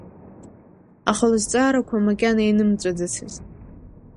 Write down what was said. Аха лызҵаарақәа макьана инымҵәаӡацызт.